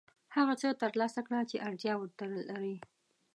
هغه څه ترلاسه کړه چې اړتیا ورته لرې.